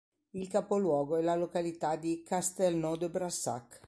Il capoluogo è la località di Castelnau-de-Brassac.